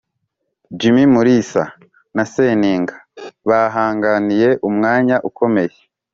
jimmy mulisa na seninga bahanganiye umwanya ukomeye